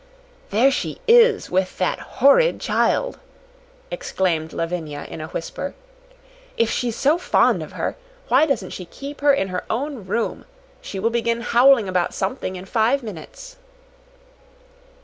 "There she is, with that horrid child!" exclaimed Lavinia in a whisper. "If she's so fond of her, why doesn't she keep her in her own room? She will begin howling about something in five minutes."